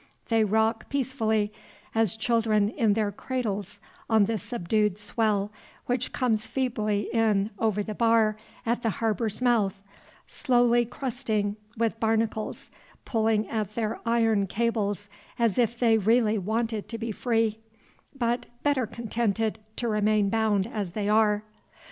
They rock peacefully as children in their cradles on the subdued swell which comes feebly in over the bar at the harbor's mouth, slowly crusting with barnacles, pulling at their iron cables as if they really wanted to be free; but better contented to remain bound as they are.